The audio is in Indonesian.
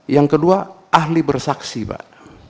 yang kedua ahli bersaksi pak